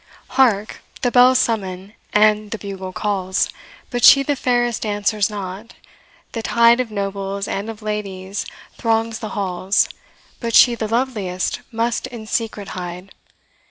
Hark, the bells summon, and the bugle calls, But she the fairest answers not the tide Of nobles and of ladies throngs the halls, But she the loveliest must in secret hide.